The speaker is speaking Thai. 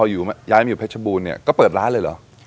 แล้วพอย้ายมาอยู่เพชรบูนก็เปิดร้านเลยหรือ